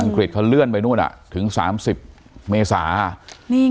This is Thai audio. อังกฤษเขาเลื่อนไปนู่นถึงสามสิบเมษานี่กัน